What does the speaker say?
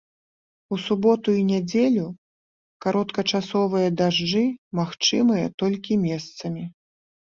У суботу і нядзелю кароткачасовыя дажджы магчымыя толькі месцамі.